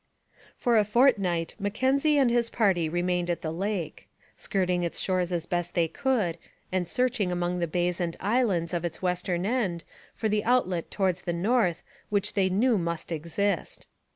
For a fortnight Mackenzie and his party remained at the lake, skirting its shores as best they could, and searching among the bays and islands of its western end for the outlet towards the north which they knew must exist.